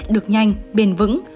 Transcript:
được nhanh bền vững